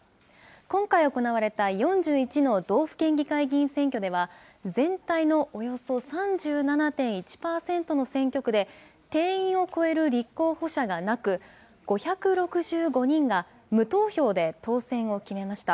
今回行われた４１の道府県議会議員選挙では、全体のおよそ３７．１％の選挙区で、定員を超える立候補者がなく、５６５人が無投票で当選を決めました。